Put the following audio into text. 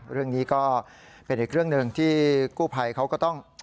เรื่องนี้ก็เป็นอีกเรื่องหนึ่งที่กู้ภัยเขาก็ต้อง